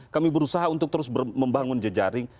kami berusaha untuk terus membangun jejaring